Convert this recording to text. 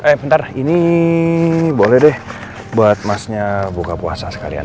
eh bentar ini boleh deh buat masnya buka puasa sekalian